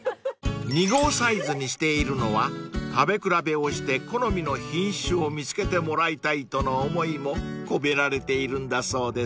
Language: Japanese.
［２合サイズにしているのは食べ比べをして好みの品種を見つけてもらいたいとの思いも込められているんだそうです］